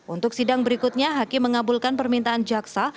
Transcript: untuk sidang berikutnya hakim mengabulkan permintaan jaksa